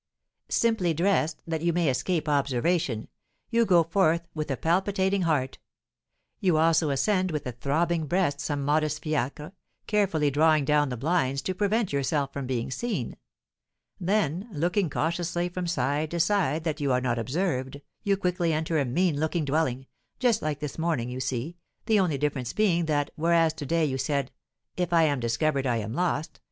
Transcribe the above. Simply dressed, that you may escape observation, you go forth with a palpitating heart; you also ascend with a throbbing breast some modest fiacre, carefully drawing down the blinds to prevent yourself from being seen; then, looking cautiously from side to side that you are not observed, you quickly enter a mean looking dwelling, just like this morning, you see, the only difference being that, whereas to day you said, 'If I am discovered I am lost!'